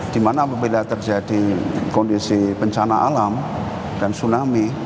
di mana apabila terjadi kondisi bencana alam dan tsunami